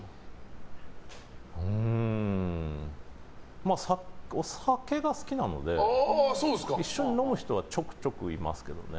うーんお酒が好きなので一緒に飲む人はちょくちょくいますけどね。